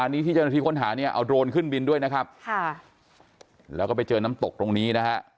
ัณฑีคนหาเนี่ยอะเอาโดรนขึ้นบินด้วยนะครับค่ะแล้วก็ไปเจอน้ำตกตรงนี้